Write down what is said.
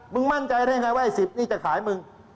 มึงมั่นใจได้ยังไงว่า๑๐นี่จะขายมึง